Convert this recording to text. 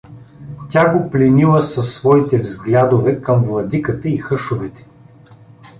Тя го пленила със своите взглядове към владиката и хъшовете.